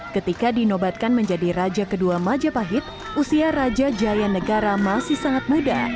ketika dinobatkan menjadi raja kedua majapahit usia raja jaya negara masih sangat muda